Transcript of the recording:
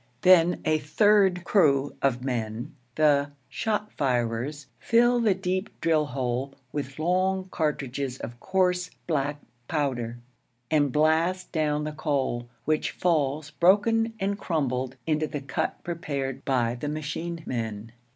Then a third crew of men, the 'shot firers,' fill the deep drill hole with long cartridges of coarse black powder, and blast down the coal, which falls broken and crumbled into the cut prepared by the machine men.